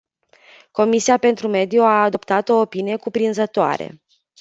Comisia pentru mediu a adoptat o opinie cuprinzătoare.